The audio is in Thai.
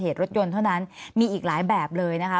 เพราะฉะนั้นมีอีกหลายแบบเลยนะคะ